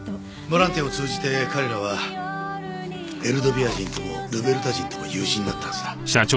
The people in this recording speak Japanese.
ボランティアを通じて彼らはエルドビア人ともルベルタ人とも友人になったはずだ。